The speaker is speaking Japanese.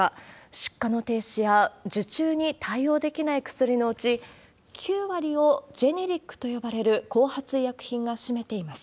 出荷の停止や、受注に対応できない薬のうち、９割をジェネリックと呼ばれる後発医薬品が占めています。